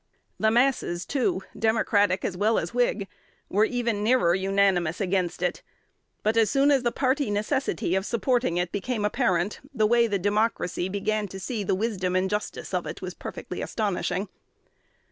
The masses, too, Democratic as well as Whig, were even nearer unanimous against it; but, as soon as the party necessity of supporting it became apparent, the way the Democracy began to see the wisdom and justice of it was perfectly astonishing.